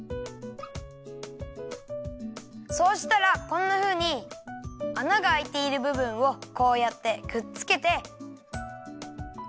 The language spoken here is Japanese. そうしたらこんなふうにあながあいているぶぶんをこうやってくっつけて。